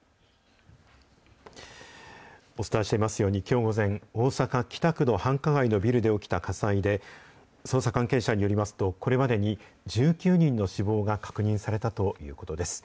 お伝えしていますように、きょう午前、大阪・北区の繁華街のビルで起きた火災で、捜査関係者によりますと、これまでに１９人の死亡が確認されたということです。